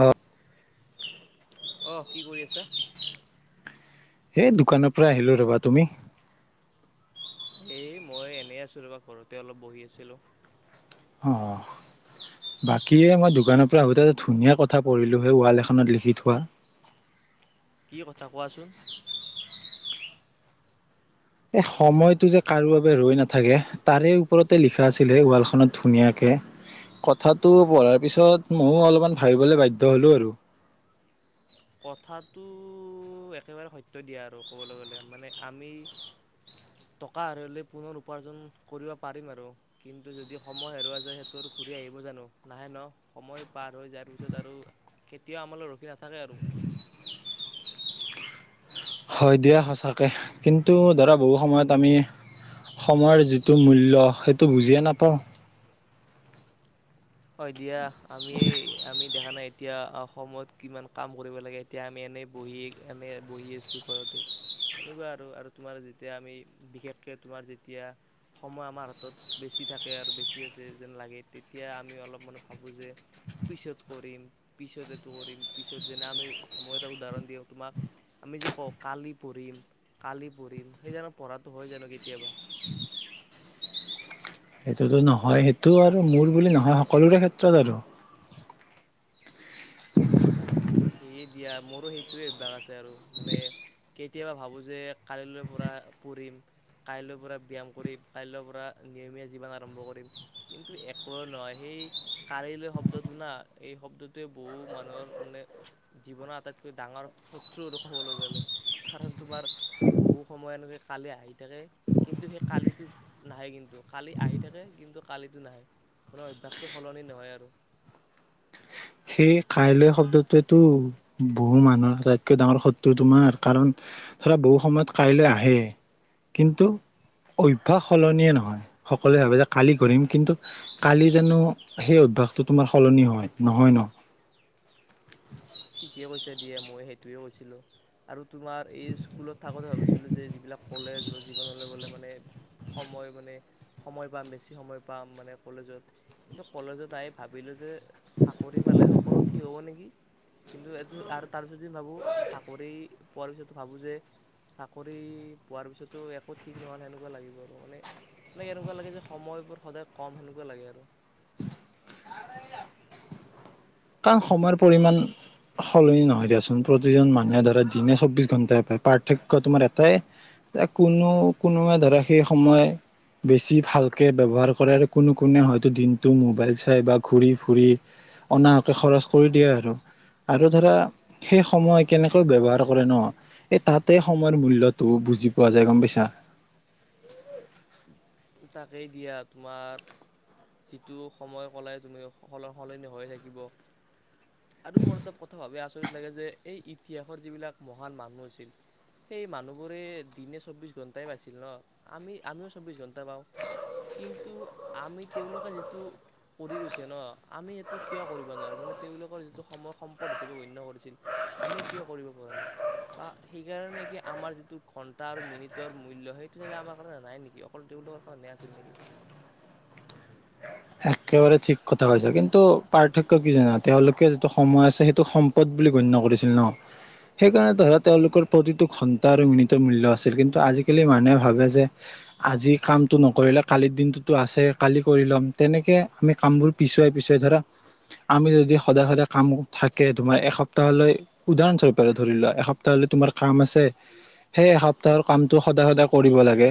অ। অ' কি কৰি আছা? এ দোকানৰ পৰা আহিলোঁ ৰবা। তুমি? এ মই এনেই আছোঁ ৰবা। ঘৰতে অলপ বহি আছিলোঁ। অ', বাকী এ মই দোকানৰ পৰা আহোঁতে এটা ধুনীয়া কথা পঢ়িলোঁ হে, ওৱাল এখনত লিখি থোৱা। কি কথা কোৱাচোন? এই সময়টো যে কাৰো বাবে ৰৈ নাথাকে, তাৰে ওপৰতে লিখা আছিলে ওৱালখনত ধুনীয়াকে। কথাটো পঢ়াৰ পিছত মইয়ো অলপমান ভাবিবলৈ বাধ্য হলোঁ আৰু। কথাটো একেবাৰে সত্য দিয়া আৰু ক'বলৈ গ'লে। মানে আমি টকা আৰু হ'লে পুনৰ উপাৰ্জন কৰিব পাৰিম আৰু। কিন্তু যদি সময় হেৰুৱা যায়, সেইটো আৰু ঘূৰি আহিব জানো? নাহে ন'? সময় পাৰ হৈ যায়, তাৰ পিছত আৰু কেতিয়াও আমালৈ ৰখি নাথাকে আৰু। হয় দিয়া সঁচাকে। কিন্তু ধৰা বহু সময়ত আমি সময়ৰ যিটো মূল্য সেইটো বুজিয়ে নাপাওঁ। হয় দিয়া। আমি- আমি দেখা নাই এতিয়া অ- সময়ত কিমান কাম কৰিব লাগে। এতিয়া আমি এনে বহি- এনে বহি আছোঁ ঘৰতে। এনেকুৱা আৰু - আৰু তোমাৰ যেতিয়া আমি বিশেষকে তোমাৰ যেতিয়া সময় আমাৰ হাতত বেছি থাকে, আৰু বেছি আছে যেন লাগে, তেতিয়া আমি অলপমানত ভাবো যে, পিছত কৰিম, পিছত এইটো কৰিম, পিছত- যেনে আমি- মই এটা উদাহৰণ দিওঁ তোমাক। আমি যে কওঁ, কালি পঢ়িম, কালি পঢ়িম। সেই জানো পঢ়াটো হয় জানো কেতিয়াবা? সেইটোতো নহয়। সেইটো আৰু মোৰ বুলি নহয়, সকলোৰে ক্ষেত্ৰত আৰু। [unintelligible] সেয়ে দিয়া। মোৰো সেইটোৱে অভ্যাস আছে আৰু। মানে কেতিয়াবা ভাবোঁ যে কালিলৈৰ পৰা পঢ়িম, কাইলৈৰ পৰা ব্যায়াম কৰিম, কাইলৈৰ পৰা নিয়মীয়া জীৱন আৰম্ভ কৰিম। কিন্তু একোৱে নহয়। সেই কালিলৈ শব্দটো না, এই শব্দটোৱে বহু মানুহৰ মানে জীৱনৰ আটাইতকৈ ডাঙৰ শত্ৰু আৰু কবলৈ গলে, কাৰাণ তোমাৰ বহু সময় এনেকে কালে আহি থাকে কিন্তু সেই কালিটো নাহে কিন্তু। কালি আহি থাকে কিন্তু কালিটো নাহে। মানে অভ্যাসটো সলনি নহয় আৰু। সেই কাইলৈ শব্দটোৱেতো বহু মানুহৰ আটাইতকৈ ডাঙৰ শত্ৰু তোমাৰ, কাৰণ ধৰা বহু সময়ত কাইলৈ আহে। কিন্তু অভ্যাস সলনিয়ে নহয়। সকলোৱে ভাবে যে কালি কৰিম, কিন্তু কালি জানো সেই অভ্যাসটো তোমাৰ সলনি হয়? নহয় ন'? ঠিকেই কৈছা দিয়া, মই সেইটোৱে কৈছিলোঁ। আৰু তোমাৰ এই স্কুলত থাকোঁতে ভাবিছিলোঁ যে যিবিলাক কলেজ বা জীৱনলৈ গলে মানে, সময় মানে, সময় পাম। বেছি সময় পাম মানে কলেজত। কিন্তু কলেজত আহি ভাবিলোঁ যে, চাকৰি পালে সকলো ঠিক হ'ব নেকি? কিন্তু এইটো আৰু- তাৰ পিছত যে ভাবোঁ, চাকৰি পোৱাৰ পিছতো ভাবোঁ যে, চাকৰি পোৱাৰ পিছতো একো ঠিক ন'হল, সেনেকুৱা লাগিব আৰু মানে। মানে এনেকুৱা লাগে যে সময়বোৰ সদায় কম, সেনেকুৱা লাগে আৰু। কাৰণ সময়ৰ পৰিমাণ সলনি নহয় দিয়াচোন। প্ৰতিজন মানুহে ধৰা দিনে চৌবিশ ঘন্টাই পায়। পাৰ্থক্য তোমাৰ এটায়ে যে কোনো- কোনোৱে ধৰা সেই সময় বেছি ভালকে ব্যৱহাৰ কৰে আৰু কোনো- কোনে হয়তো দিনটো মোবাইল চায় বা ঘূৰি ফুৰি অনা খৰচ কৰি দিয়ে আৰু। আৰু ধৰা সেই সময় কেনেকৈ ব্যৱহাৰ কৰে ন', এই তাতে সময়ৰ মূল্যটো বুজি পোৱা যায়, গম পাইছা? তাকেই দিয়া তোমাৰ, যিটো সময় কলাই তুমি সকলো সলনি হৈ থাকিব। আৰু মোৰ এটা কথা ভাবি আচৰিত লাগে যে, এই ইতিহাসৰ যিবিলাক মহান মানুহ আছিল, সেই মানুহবোৰে দিনে চৌব্বিছ ঘণ্টাই পাইছিল ন'? আমি- আমিও চৌবিছ ঘণ্ টা পাওঁ। কিন্তু আমি- তেওঁলোকে যিটো কৰি গৈছে ন', আমি সেইটো কিয় কৰিব নোৱাৰোঁ? মানে তেওঁলোকৰ যিটো সময় সম্পদ হিচাপে গণ্য কৰিছিল, আমি কিয় কৰিব পৰা নাই? বা সেইকাৰণে কি আমাৰ যিটো ঘন্টা আৰু মিনিটৰ মূল্য, সেইটো চাগে আমাৰ কাৰণে নাই নেকি? অকল তেওঁলোকৰ কাৰণেহে আছিল নেকি? একেবাৰে ঠিক কথা কৈছা। কিন্তু পাৰ্থক্য কি জানা? তেওঁলোকে যিটো সময় আছে, সেইটো সম্পদ বুলি গণ্য কৰিছিল ন'? সেইকাৰণে ধৰা তেওঁলোকৰ প্ৰতিটো ঘণ্টা আৰু মিনিটৰ মূল্য আছিল। কিন্তু আজিকালি মানুহে ভাবে যে, আজি কামটো নকৰিলে কালিৰ দিনটোতো আছে, কালি কৰি ল'ম তেনেকে আমি কামবোৰ পিছুৱাই - পিছুৱাই ধৰা, আমি যদি সদায় - সদায় কাম থাকে, তোমাৰ এসপ্তাহলৈ, উদাহৰণস্বৰূপে আৰু ধৰি লোৱা, এসপ্তাহলৈ তোমাৰ কাম আছে। সেই এসপ্তাহৰ কামটো সদায় - সদায় কৰিব লাগে।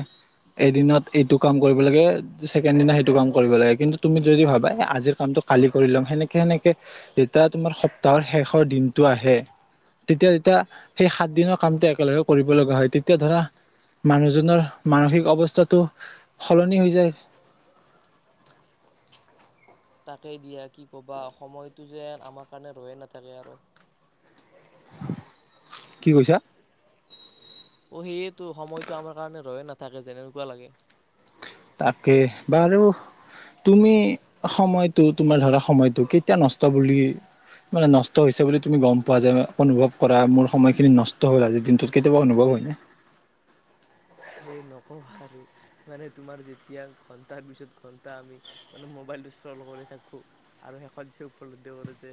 এদিনত এইটো কাম কৰিব লাগে। ছেকেণ্ড দিনত সেইটো কাম কৰিব লাগে কিন্তু তুমি যদি ভাবা, এ আজিৰ কামটো কালি কৰি লওঁ। সেনেকে - সেনেকে যেতিয়া তোমাৰ সপ্তাহৰ শেষৰ দিনটো আহে, তেতিয়া - তেতিয়া সেই সাত দিনৰ কামটো একেলগে কৰিব লগা হয়। তেতিয়া ধৰা মানুহজনৰ মানসিক অৱস্থাটো সলনি হৈ যায়। তাকেই দিয়া। কি ক'বা। সময়টো যেন আমাৰ কাৰণে ৰৈয়ে নাথাকে আৰু। কি কৈছা? অ' সেয়েতো। সময়টো আমাৰ কাৰণে ৰৈয়ে নাথাকে যেনেকুৱা লাগে। তাকে। বাৰু, তুমি সময়টো তোমাৰ ধৰা সময়টো কেতিয়া নষ্ট বুলি- মানে নষ্ট হৈছে বুলি তুমি গম পোৱা যে- অনুভৱ কৰা মোৰ সময়খিনি নষ্ট হ'ল আজিৰ দিনটোত, কেতিয়াবা অনুভৱ হয় নে? এই নকবা আৰু। মানে তোমাৰ যেতিয়া ঘন্টাৰ পিছত ঘন্টা আমি মানে মোবাইলটো ষ্ট্ৰল কৰি থাকোঁ, আৰু শেষত যে উপলদ্ধি কৰোঁ যে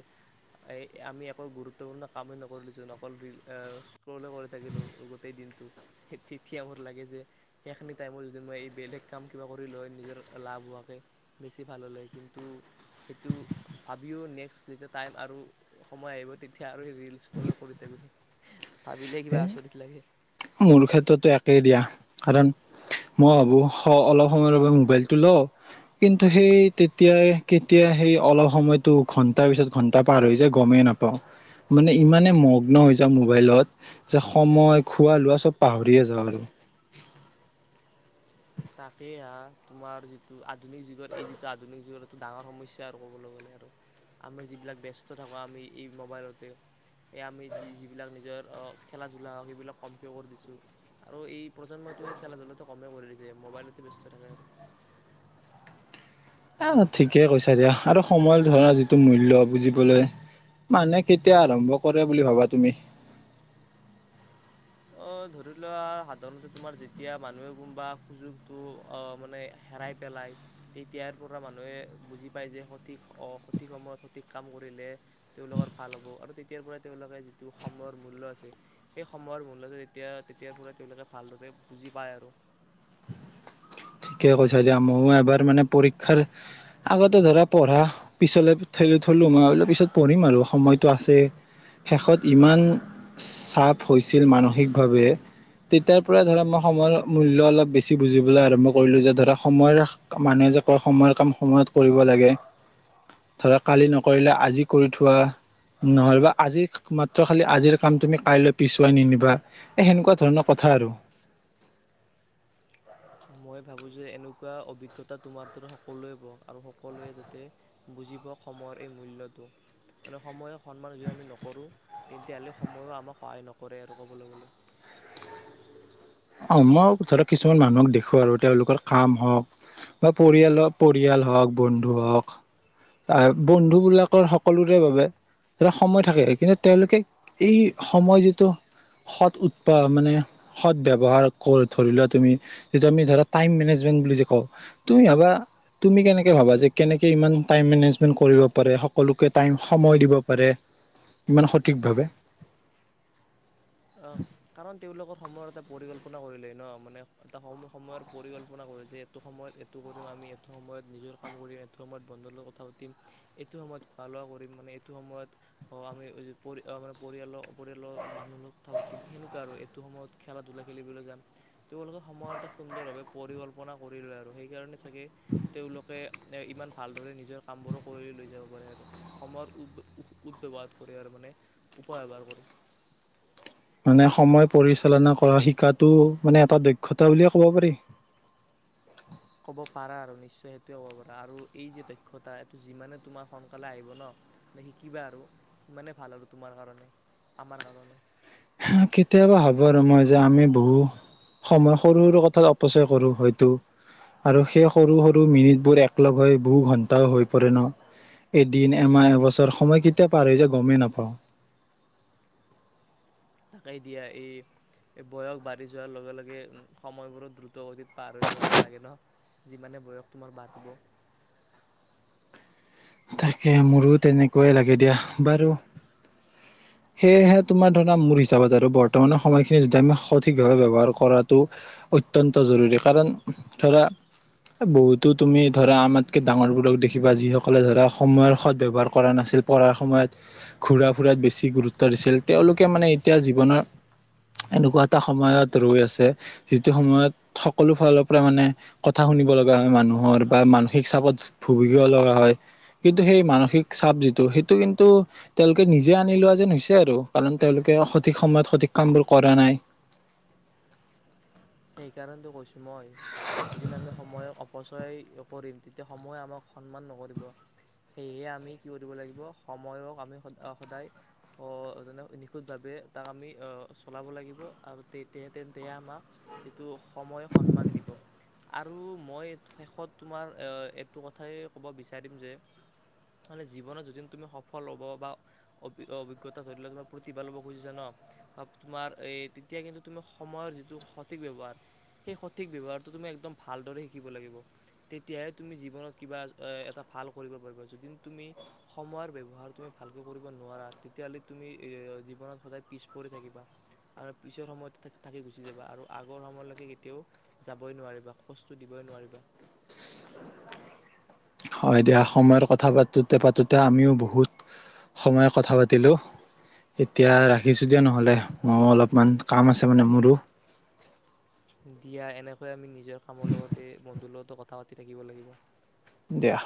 এ- আমি একো গুৰুত্বপূৰ্ণ কামেই নকৰিলচোন, অকল ৰিল- অ'- স্ক্ৰল হে কৰি থাকিলোঁ গোটেই দিনটো, সেই তেতিয়া লাগে যে সেইখিনি টাইমত যদি মই এই বেলেগ কাম কিবা কৰিলোঁ হয়, নিজৰ লাভ হোৱাকে বেছি ভাল হ'লে হয়। কিন্তু সেইটো ভাবিও নেক্সট যেতিয়া টাইম আৰু সময় আহিব, তেতিয়া আৰু সেই ৰিলছ ফল' কৰি থাকোঁ। ভাবিলে কিবা হে, আচৰিত লাগে। মোৰ ক্ষেত্ৰতো একেই দিয়া। কাৰণ, মই ভাবোঁ স- অলপ সময়ৰ বাবে মোবাইলটো লওঁ। কিন্তু সেই তেতিয়াই কেতিয়া সেই অলপ সময়টো ঘন্টাৰ পিছত ঘন্টা পাৰ হৈ যায় গমেই নাপাওঁ। মানে ইমানে মগ্ন হৈ যাওঁ মোবাইলত যে সময়, খোৱা-লোৱা চব পাহৰিয়ে যাওঁ আৰু। তাকে হা। তোমাৰ যিটো আধুনিক যুগত- এই যিটো আধুনিক যুগৰ ইটো ডাঙৰ সমস্যা আৰু ক'বলৈ গ'লে আৰু। আমি যিবিলাক ব্যস্ত থাকোঁ, আমি এই মবাইলতে। এ আমি যি- যিবিলাক নিজৰ অ- খেলা-ধূলা সেইবিলাক কমকে কৰি দিছোঁ। আৰু এই প্ৰজন্মটো সেই খেলা-ধূলাটো কমেই কৰি দি যে মোবাইলতে ব্যস্ত থাকে আৰু। অ' ঠিকে কৈছা দিয়া। আৰু সময় ধৰা যিটো মূল্য বুজিবলে মানুহে কেতিয়া আৰম্ভ কৰে বুলি ভাবা তুমি? অ', ধৰি লোৱা হাতৰ মুঠিত তোমাৰ যেতিয়া মানুহে কোনোবা সুযোগটো অ'- মানে হেৰাই পেলায়, তেতিয়াৰ পৰা মানুহে বুজি পায় যে, সঠিক অ'- সঠিক সময়ত সঠিক কাম কৰিলেহে তেওঁলোকৰ ভাল হ'ব। আৰু তেতিয়াৰ পৰাই তেওঁলোকে যিটো সময়ৰ মূল্য আছে, সেই সময়ৰ মূ ল্যটো তেতিয়া- তেতিয়াৰ পৰা তেওঁলোকে ভালদৰে বুজি পায় আৰু। [unintelligible] ঠিকে কৈছা দিয়া। ময়ো এবাৰ মানে পৰীক্ষাৰ আগতে ধৰা পঢ়া পিছলৈ ঠেলি থলোঁ। মই বোলো পিছত পঢ়িম আৰু সময়টো আছে। শেষত ইমান চাপ হৈছিল মানসিকভাৱে, তেতিয়াৰ পৰা ধৰা মই সময়ৰ মূল্য অলপ বেছি বুজিবলৈ আৰম্ভ কৰিলোঁ, যে ধৰা সময়ৰ- মানুহে যে কয় সময়ৰ কাম সময়ত কৰিব লাগে। ধৰা কালি নকৰিলে আজি কৰি থোৱা। নহয় বা আজি মাত্ৰ খালি আজিৰ কাম তুমি কাইলৈ পিছুৱাই নিনিবা, এই সেনেকুৱা ধৰণৰ কথা আৰু। মই ভাবো যে এনেকুৱা অভিজ্ঞতা তোমাৰ দৰে সকলোৱে পাওঁক। আৰু সকলোৱে যাতে বুজি পাওঁক সময়ৰ এই মূল্যটো। মানে সময়ক সন্মান যদি আমি নকৰোঁ, তেন্তে হ'লে সময়ো আমাক সহায় নকৰে আৰু ক'বলৈ গলে। অ' মই ধৰক কিছুমান মানুহক দেখোঁ আৰু, তেওঁলোকৰ কাম হওঁক বা পৰিয়ালৰ- পৰিয়াল হওঁক, বন্ধু হওঁক। অ' বন্ধুবোলাকৰ সকলোৰে বাবে এটা সময় থাকে। এইখিনিত তেওঁলোকে এই সময় যিটো সৎ উৎপ- মানে সৎ ব্যৱ ব্যৱহাৰ কৰে। ধৰি লোৱা, তুমি- এতিয়া আমি ধৰা টাইম মনেজমেন্ত বুলি যে কওঁ, তুমি ভাবা- তুমি কেনেকে ভাবা যে কেনেকে ইমান টাইম মেনেজমেণ্ট কৰিব পাৰে? সকলোকে টাইম- সময় দিব পাৰে? ইমান সঠিকভাবে? অ কাৰণ তেওঁলোকৰ সময়ৰ এটা পৰিকল্পনা? না কৰিলেই ন মানে এটা সম সময়ৰ পৰিকল্পনা কৰিল যে এইটো সময়ত এইটো কৰিম আমি এইটো সময়ত নিজৰ কাম কৰিম এটো সময়ত বন্ধুৰ লগ কথা পাতিম এইটো সময়ত খোৱা লোৱা কৰিম মানে এইটো সময়ত অ আমি মানে পৰিয়ালৰ পৰিয়ালৰ মানুহ। কথা পাতিম সেনেকুৱা আৰু এইটো সময়ত খেলা ধূলা খেলিব যাম তেওঁলোকে সময় এ সুন্দৰে পৰিকল্পনা কৰি লয় আৰু সেইটো কাৰনে? চাগে তেওঁলোকে? এ ইমান ভালদৰে নিজৰ কামবোৰো কৰি লৈ যাব পাৰে আৰু সময় উদব্যৱহত কৰি আৰু মানে উপৱাৰ কৰি। মানে সময় পৰিচালনা কৰা শিকাটো মানে এটা দক্ষতা বুলিয়ে ক'ব পাৰি? ক'ব পাৰা আৰু নিশ্চয় সেইটোৱে ক'ব পাৰা আৰু এই যে দক্ষতা এইটো যিমানে তোমাৰ সোনকালে আহিব ন শিকিবা আৰু সিমানে ভাল আৰু তোমাৰ কাৰণে আৰু আমাৰ কাৰনে? কেতিয়াবা ভাবোঁ আৰু মই যে আমি বহু সময় সৰু সৰু কথাত অপচয় কৰো হয়তো আৰু সেই সৰু সৰু মিনিটবোৰ এক লগ হৈ বহু ঘন্টাও হৈ পৰে ন এদিন এমাহ এবছৰ সময় কেতিয়া পাৰ হৈ যে গমেই নাপাও? তাকেই দিয়া এই বয়স বাঢ়ি যোৱাৰ লগে লগে উ সময়বোৰত দ্ৰুত গতিত পাৰ হৈ যোৱা যেন লাগে ন যিমানে বয়স তোমাৰ বাঢ়িব। তাকে মোৰো তেনেকুৱাই লাগে দিয়া বাৰু সেয়হে তোমাৰ ধৰা মোৰ হিচাপত আৰু বৰ্তমানৰ সময়খিনি য আমি সঠিক ভাৱে ব্যবহাৰ কৰাটো অত্যন্ত জৰুৰী কাৰণ ধৰা বহুতো তুমি ধৰা আমাতকে ডাঙৰবোৰক দেখিবা যিসকল। সকলে ধৰা সময়ৰ সৎ ব্যৱহাৰ কৰা নাছিল পঢ়াৰ সময়ত ঘূৰা ফুৰাত বেছি গুৰুত্ব দিছিল তেওঁলোকে মানে এতিয়া জীৱনৰ এনেকুৱা এটা সময়ত ৰৈ আছে যিটো সময়ত সকলো ফালৰ পৰা মানে কথা শুনিব লগা হয় মানুহৰ বা মানসিক চাপত ভুগগিব লগা হয়। কিন্তু সেই মানসিক চাপ যিটো সেইটো কিন্তু তেওঁলোকে নিজে আনি লোৱা যেন হৈছে আৰু কাৰণ তেওঁলোকে সঠিক সময়ত সঠিক কামবোৰ কৰা নাই? সেইকাৰণেতো কৈছো মই। যদি নামে সময়ে কব। পচয় কৰিম তেতিয়া সময় আমাক সন্মান নকৰিব সময়ক আমি সেয়েহে আমি কি কৰিব লাগিব সময়ক আমি সদ সদায় আহনে নিখুত ভাৱে তাক আমি আহ চলাব লাগিব আৰু তে তে তেে আমাক? যিটো সময় সন্মান দিব আৰু মই শেষত তোমাৰ এ এইটো কথাই ক'ব বিচাৰিম যে মানে জীৱনত তুমি সফল হ'ব বা অভিজ্ঞতা ধৰিলে তোমাৰ প্ৰতিভা ল'ব খুজিছা ন বা তোমাৰ এই তেতিয়া কিন্তু তুমি সময়ৰ যিটো। সঠিক ব্য্ৱহাৰ সেই সঠিক ব্যৱহাৰটো তুমি একদম ভালদৰে শিকিব লাগিব তেতিয়াহে তুমি জীৱনত কিবা এটা ভাল কৰিব পাৰিবা যদি তুমি সময়ৰ ব্য্ৱহাৰ তুমি ভালকে কৰিব নোৱাৰা তেতিয়াহলে তুমি এ জীৱনত সদায় পিছ পৰি থাকিবা আৰু পিছৰ সময়ত থাকি গুচি যাবা আৰু। আগৰ সময়লৈকে কেতিয়াও যাবই নোৱাৰিবা খোজটো দিবই নোৱাৰিবা? হয় দিয়া সময়ৰ কথা পাতোতে পাতোতে আমিও বহুত সময়ত কথা পাতিলোঁ এতিয়া ৰাখিছোঁ দিয়া নহ'লে মইও অলপমান কাম আছে মানে মোৰো। দিয়া এনেকৈ আমি নি। নিজৰ কামৰ লগতে বন্ধুৰ লগতো কথা পাতো? থাকিব লাগিব? দিয়া।